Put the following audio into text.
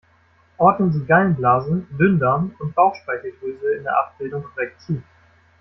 Ordnen Sie Gallenblase, Dünndarm und Bauchspeicheldrüse in der Abbildung korrekt zu!